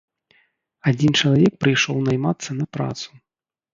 Адзін чалавек прыйшоў наймацца на працу.